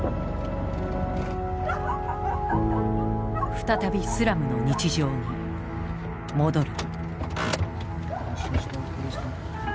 再びスラムの日常に戻る。